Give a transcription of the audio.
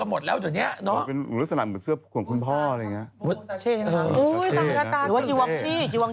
มีใจสึกกำลัง